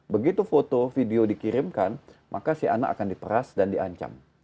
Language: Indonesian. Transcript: begitu foto video dikirimkan maka si anak akan diperas dan diancam